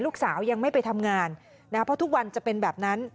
ลูกสาวยังไม่ไปทำงานนะครับเพราะทุกวันจะเป็นแบบนั้น